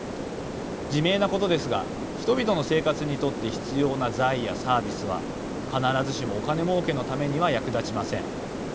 自明なことですが人々の生活にとって必要な財やサービスは必ずしもお金もうけのためには役立ちません。